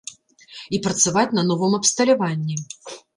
І працаваць на новым абсталяванні.